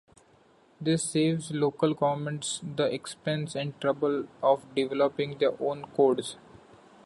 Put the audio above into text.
This saves local governments the expense and trouble of developing their own codes.